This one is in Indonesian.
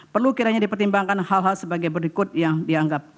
perlu kiranya dipertimbangkan hal hal sebagai berikut yang dianggap